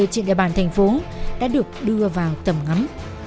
trên địa bàn thành phố đã được đưa vào tầm ngắm